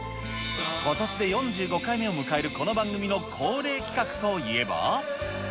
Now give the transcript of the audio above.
ことしで４５回目を迎えるこの番組の恒例企画といえば。